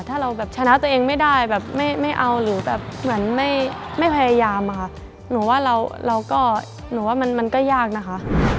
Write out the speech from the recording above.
ถ้าเราแบบชนะตัวเองไม่ได้แบบไม่เอาหรือแบบเหมือนไม่พยายามอะค่ะหนูว่าเราก็หนูว่ามันก็ยากนะคะ